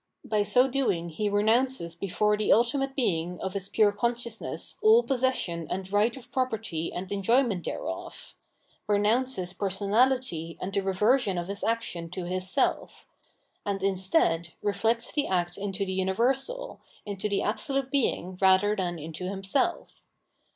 By so doing he re nounces before the ultimate Being of his pure conscious ness aU possession and right of property and enjoyment thereof ; renounces personality and the reversion of his action to his self; and instead, reflects the act into the universal, into the absolute Being rather than into himself.